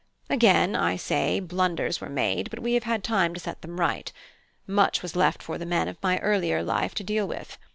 Again I say, many blunders were made, but we have had time to set them right. Much was left for the men of my earlier life to deal with.